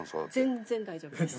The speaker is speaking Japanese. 全然大丈夫です。